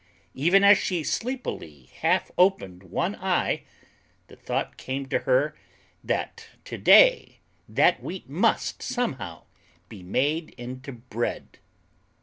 Even as she sleepily half opened one eye, the thought came to her that to day that Wheat must, somehow, be made into bread.